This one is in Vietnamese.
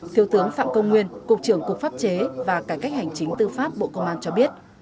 thiếu tướng phạm công nguyên cục trưởng cục pháp chế và cải cách hành chính tư pháp bộ công an cho biết